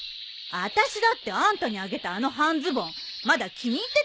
あたしだってあんたにあげたあの半ズボンまだ気に入ってたんだから。